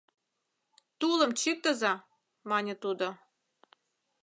— Тулым чӱктыза, — мане тудо.